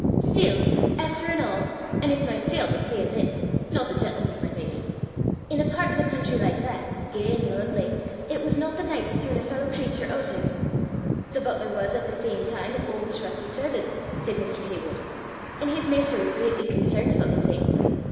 Still, efter an' a' an' its mysel' 'at's sayin' this, no the gentleman, my lady in a pairt o' the country like that, gey an' lanely, it was not the nicht to turn a fallow cratur oot in! 'The butler was, at the same time, an old and trusty servan',' said Mr. Heywood, 'an' his master was greatly concernt aboot the thing.